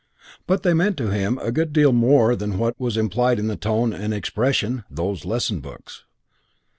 But they meant to him a good deal more than what was implied in the tone and the expression "those lesson books."